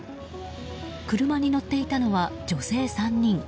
車に乗っていたのは女性３人。